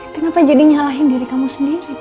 kenapa jadi nyalahin diri kamu sendiri